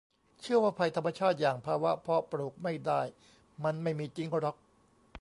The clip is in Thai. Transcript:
เชื่อว่าภัยธรรมชาติอย่างภาวะเพาะปลูกไม่ได้มันไม่มีจริงหรอก